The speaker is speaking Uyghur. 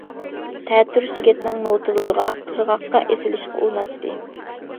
تەتۈر سۆگەتنىڭ نوتىلىرىغا، قىرغاققا ئېسىلىشقا ئۇرۇناتتى.